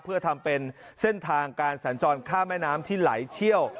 เพื่อทำเป็นเส้นทางการสัญจรข้ามแม่น้ำที่ไหลเชี่ยว